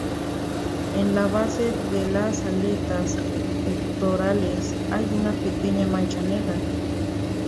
En la base de las aletas pectorales hay una pequeña mancha negra.